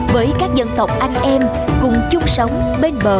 với các dân tộc anh em cùng chung sống bên bờ hậu gian